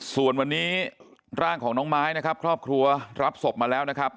ส่วนวันนี้ร่างของน้องไม้นะครับครอบครัวรับศพมาแล้วนะครับ